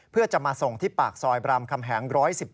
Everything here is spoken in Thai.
เพื่อจะมาส่งที่ปากซอยบรามคำแหง๑๑๗